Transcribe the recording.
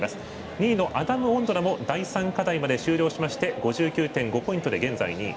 ２位のアダム・オンドラも第３課題まで終了しまして５９．５ポイントで現在２位。